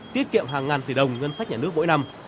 tiết kiệm hàng ngàn tỷ đồng ngân sách nhà nước mỗi năm